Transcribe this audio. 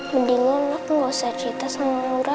mendingan aku gak usah cerita sama lurah